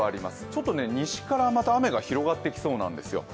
ちょっと西からまた、雨が広がってきそうなんですよ。